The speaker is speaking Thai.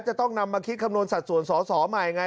จะต้องนำมาคิดคำนวณสัดส่วนสอสอใหม่ไง